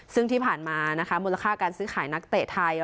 ซึ่งที่ผ่านมานะคะมูลค่าการซื้อขายนักเตะไทย